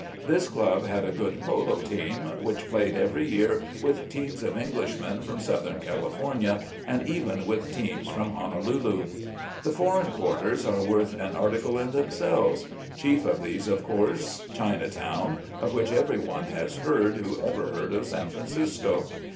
This club had a good polo team, which played every year with teams of Englishmen from southern California and even with teams from Honolulu. The foreign quarters are worth an article in themselves. Chief of these was, of course, Chinatown, of which every one has heard who ever heard of San Francisco.